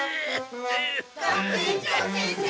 学園長先生！